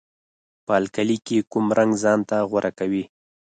په القلي کې کوم رنګ ځانته غوره کوي؟